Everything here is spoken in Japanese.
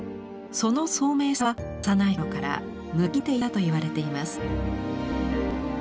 その聡明さは幼い頃からぬきんでていたといわれています。